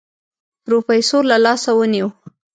پروفيسر له لاسه ونيو.